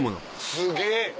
すげぇ！